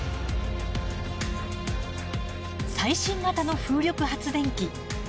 最新型の風力発電機。